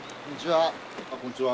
あっこんにちは。